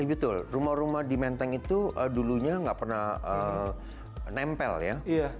betul rumah rumah di menteng itu dulunya nggak pernah nempel ya